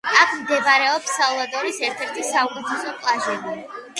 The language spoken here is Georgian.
აქ მდებარეობს სალვადორის ერთ-ერთი საუკეთესო პლაჟები.